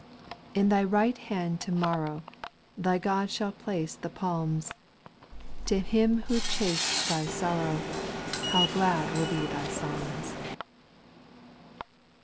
SPIRITUAL SONGS. 409 In thy right hand to morrow Thy God shall place the palms. To Him who chased thy sorrow, How glad will be thy psalms